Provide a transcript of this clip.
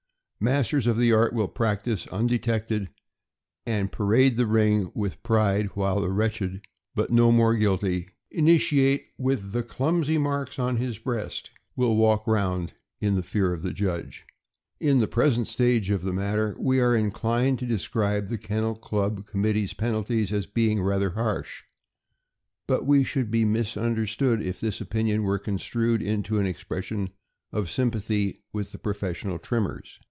Masters of the art will practice undetected, and parade the ring with pride, while the wretched, but no more guilty, initiate, with the clumsy marks on his breast, will walk round in the fear of the judge. In the present stage of the matter, we are inclined to describe the Kennel Club committee's penalties as being rather harsh; but we should be misunder stood if this opinion were construed into an expression of sympathy with the professional trimmers.